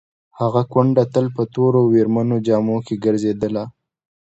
هغه کونډه تل په تورو ویرمنو جامو کې ګرځېدله.